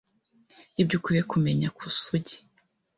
ibyo ukwiye kumenya kusugi